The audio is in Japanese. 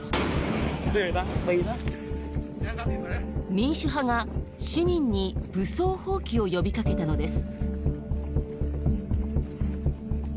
民主派が市民に武装蜂起を呼びかけたのです。